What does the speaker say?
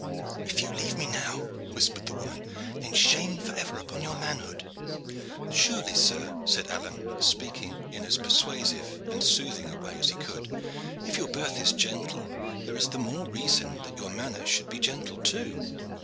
"If you leave me now," whispered the woman, "then shame forever upon your manhood." "Surely, sir," said Alleyne, speaking in as persuasive and soothing a way as he could, "if your birth is gentle, there is the more reason that your manners should be gentle too.